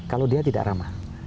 kalau dia tidak ramah